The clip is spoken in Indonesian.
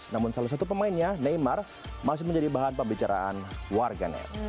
namun salah satu pemainnya neymar masih menjadi bahan pembicaraan warganet